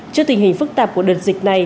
trước tình hình phức tạp của đợt dịch này